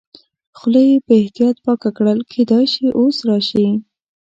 خوله یې په احتیاط پاکه کړل، کېدای شي اوس راشي.